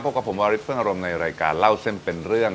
กับผมวาริสเฟิงอารมณ์ในรายการเล่าเส้นเป็นเรื่อง